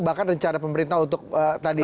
bahkan rencana pemerintah untuk tadi